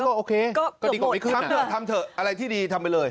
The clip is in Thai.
ก็โอเคก็ดีกว่าไม่ขึ้นทำเถอะทำเถอะอะไรที่ดีทำไปเลย